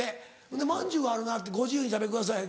ほんでまんじゅうあるなってご自由にお食べください。